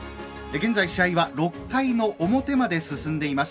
現在、試合は６回の表まで進んでいます。